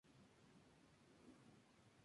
Cuenta con un clima mediterráneo frío.